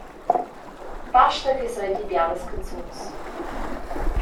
Basta ch’ei seigi bialas canzuns.